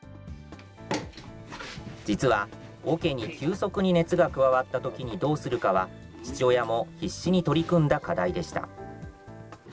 実はおけに急速に熱が加わったときにどうするかは、父親も必死に取り組んだ課題でした。